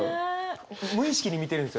無意識に見てるんですよね？